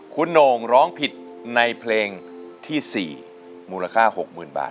คุณโหน่งร้องผิดในเพลงที่๔มูลค่า๖๐๐๐บาท